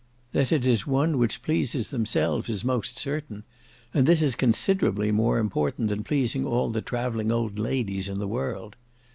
That it is one which pleases themselves is most certain, and this is considerably more important than pleasing all the travelling old ladies in the world.